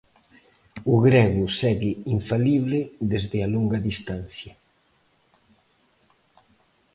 O grego segue infalible desde a longa distancia.